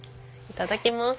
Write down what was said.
いただきます。